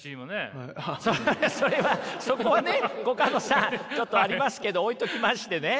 それはそこはねコカドさんちょっとありますけど置いときましてね。